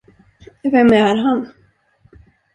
Vem är han?